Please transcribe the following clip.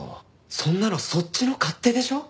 そんなのそっちの勝手でしょう？